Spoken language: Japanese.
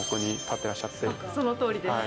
そのとおりです。